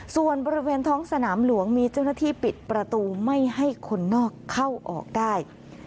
ส่วนบริเวณท้องสนามหลวงมีเจ้าหน้าที่ปิดประตูไม่ให้คนนอกเข้าออกได้